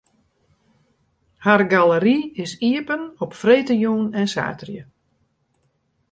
Har galery is iepen op freedtejûn en saterdei.